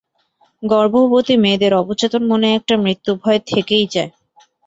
গর্ভবতী মেয়েদের অবচেতন মনে একটা মৃত্যুভয় থেকেই যায়।